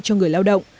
cho người lao động